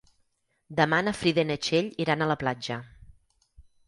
Demà na Frida i na Txell iran a la platja.